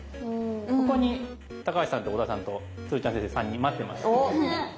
ここに橋さんと小田さんと鶴ちゃん先生３人待ってます。